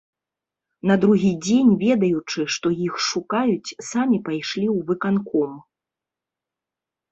На другі дзень, ведаючы, што іх шукаюць, самі пайшлі ў выканком.